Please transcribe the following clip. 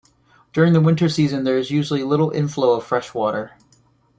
During the winter season there is usually little inflow of freshwater.